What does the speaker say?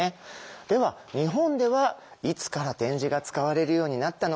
では日本ではいつから点字が使われるようになったのか。